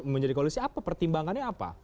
menjadi koalisi apa pertimbangannya apa